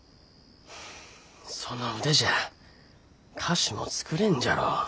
その腕じゃあ菓子も作れんじゃろう。